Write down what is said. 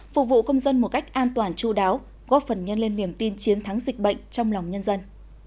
phục vụ công dân một cách an toàn chú đáo góp phần nhân lên niềm tin chiến thắng dịch bệnh trong lòng nhân dân